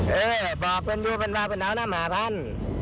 เออบอกมันก็เนาะนะหมาพัน